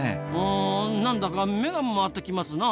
あなんだか目が回ってきますな。